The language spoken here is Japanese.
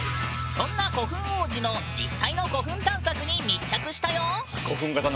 そんな古墳王子の実際の古墳探索に密着したよ。